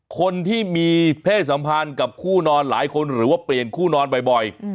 คนที่มีเพศสัมพันธ์กับคู่นอนหลายคนหรือว่าเปลี่ยนคู่นอนบ่อย